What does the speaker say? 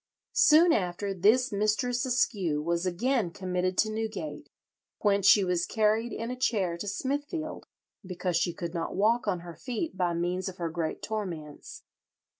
Soon after this Mistress Askew was again committed to Newgate, whence she was carried in a chair to Smithfield, "because she could not walk on her feet by means of her great torments.